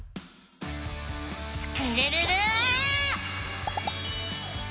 スクるるる！